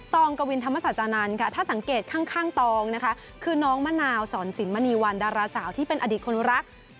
องกวินธรรมศาจานันทร์ค่ะถ้าสังเกตข้างตองนะคะคือน้องมะนาวสอนสินมณีวันดาราสาวที่เป็นอดีตคนรัก